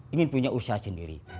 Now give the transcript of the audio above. ingin punya usaha sendiri